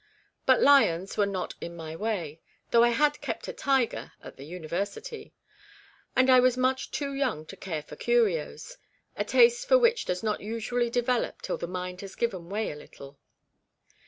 But lions were not in my way (though I had kept a " tiger " at the University), and I was much too young to care for curios, a taste for which does not usually develop till the mind has given way a little.